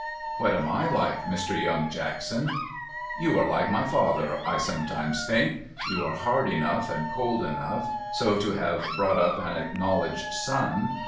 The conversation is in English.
'What am I like, Mr. Young Jackson?' 'You are like my father, I sometimes think. You are hard enough and cold enough so to have brought up an acknowledged son.